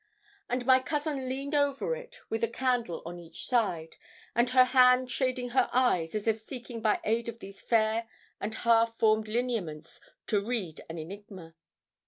And my cousin leaned over it with a candle on each side, and her hand shading her eyes, as if seeking by aid of these fair and half formed lineaments to read an enigma.